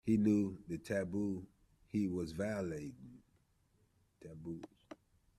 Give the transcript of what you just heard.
He knew what taboos he was violating.